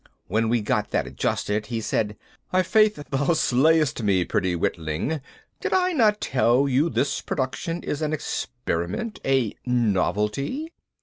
When we'd got that adjusted he said, "I' faith thou slayest me, pretty witling. Did I not tell you this production is an experiment, a novelty?